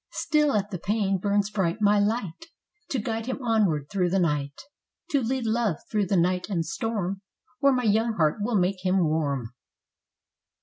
Still at the pane burns bright my light To guide him onward through the night, To lead love through the night and storm Where my young heart will make him warm.